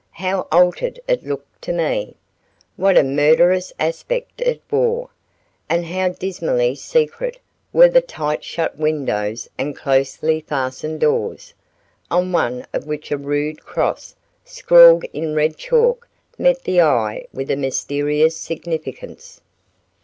How altered it looked to me! What a murderous aspect it wore, and how dismally secret were the tight shut windows and closely fastened doors, on one of which a rude cross scrawled in red chalk met the eye with a mysterious significance.